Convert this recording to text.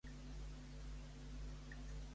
A què no dona suport Sánchez?